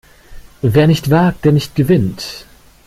Wer nicht wagt, der nicht gewinnt!